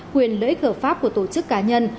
quyền lợi ích hợp pháp của tổ chức cá nhân